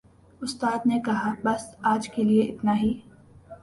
اُستاد نے کہا، "بس آج کے لئے اِتنا ہی"